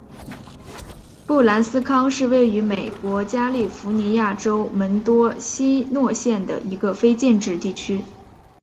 布兰斯康是位于美国加利福尼亚州门多西诺县的一个非建制地区。